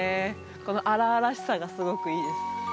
この荒々しさがすごくいいです